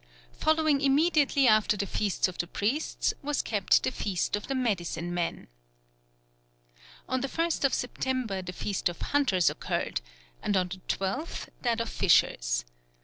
Following immediately after the feasts of the priests was kept the feast of the medicine men. On the 1st of September the feast of hunters occurred, and on the 12th that of fishers.